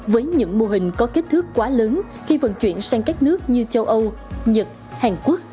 với những mô hình có kết thước quá lớn khi vận chuyển sang các nước như châu âu nhật hàn quốc